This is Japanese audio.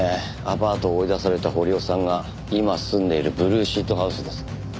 アパートを追い出された堀尾さんが今住んでいるブルーシートハウスです。